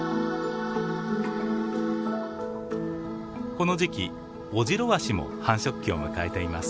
この時期オジロワシも繁殖期を迎えています。